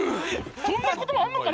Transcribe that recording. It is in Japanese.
そんな言葉あんのかな